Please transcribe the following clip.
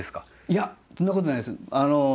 いやそんなことないです。